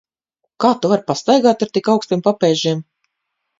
Kā Tu vari pastaigāt ar tik augstiem papēžiem?